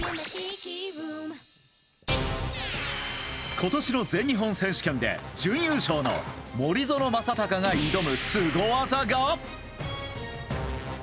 今年の全日本選手権で準優勝の森薗政崇が挑むスゴ技が。